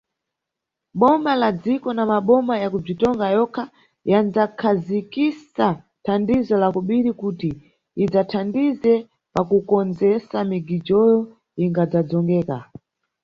Boma la dziko na maboma ya kubzitonga yokha yandzakhazikisa thandizo la kobiri kuti idzathandize pakukondzesa migijoyo ingadzadzongeka.